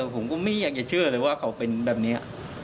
ผมก็ไม่อยากจะเชื่อเลยว่าเขาเป็นแบบนี้